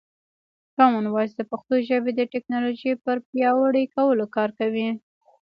کامن وایس د پښتو ژبې د ټکنالوژۍ پر پیاوړي کولو کار کوي.